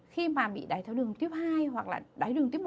khi mà bị đáy tháo đường tiếp hai hoặc là đáy đường tiếp một